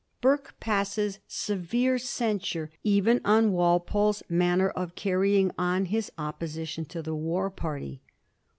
Burke passes severe censure even on Walpole's manner of carrying on his opposition to the war party.